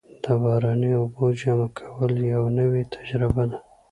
د باراني اوبو جمع کول یوه نوې تجربه ده.